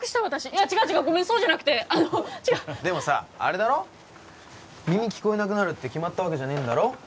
私違う違うごめんそうじゃなくてあの違うでもさあれだろ耳聞こえなくなるって決まったわけじゃねえんだろ？